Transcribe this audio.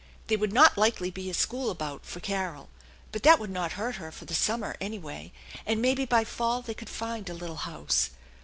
There would not likely be a school about for Carol ; but that would not hurt her for the summer, anyway, *nd maybe by fall they could find a little house.